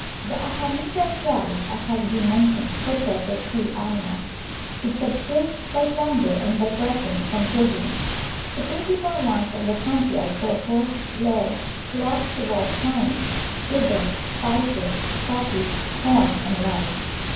The Ahamidah tribe, as has been mentioned, possesses few animals; it subsists by plunder and by presents from [p.115] pilgrims. The principal wants of the country are sulphur, lead, cloths of all kinds, sugar, spices, coffee, corn, and rice.